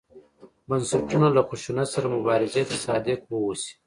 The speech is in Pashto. بنسټونه له خشونت سره مبارزې ته صادق واوسي.